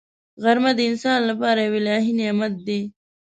غرمه د انسان لپاره یو الهي نعمت دی